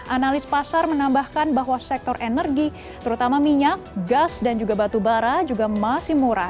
analis pasar menambahkan bahwa sektor energi terutama minyak gas dan juga batubara juga masih murah